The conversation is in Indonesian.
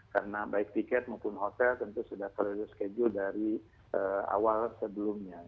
karena baik tiket maupun hotel tentu sudah perlu reschedule dari awal sebelumnya